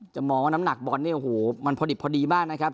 จะมองว่าน้ำหนักบอลเนี่ยโอ้โหมันพอดิบพอดีมากนะครับ